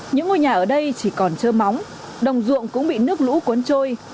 những ngôi nhà ở đây chỉ còn trơ móng đồng ruộng cũng bị nước lũ cuốn trôi